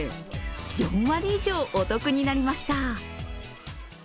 ４割以上、お得になりました。